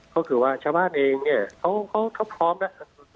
พวกคือว่าชาวบ้านเองเนี่ยเค้าพร้อมล่ะลองรับมือล่ะ